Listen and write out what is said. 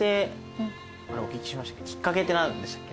きっかけって何でしたっけ？